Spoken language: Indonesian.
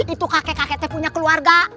itu kakek kakeknya punya keluarga